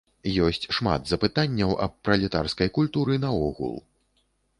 Ёсць шмат запытанняў аб пралетарскай культуры наогул.